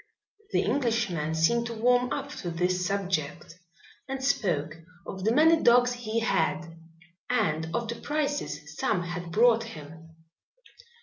The Englishman seemed to warm up to this subject and spoke of the many dogs he had, and of the prices some had brought him.